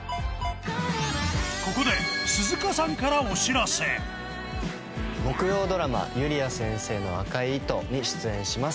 ここで木曜ドラマ『ゆりあ先生の赤い糸』に出演します。